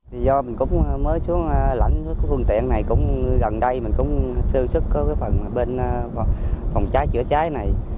vì do mình cũng mới xuống lãnh của phương tiện này gần đây mình cũng sơ sức phòng cháy chữa cháy này